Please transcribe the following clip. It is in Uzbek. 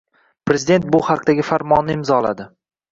Prezident bu haqdagi farmonni imzoladi.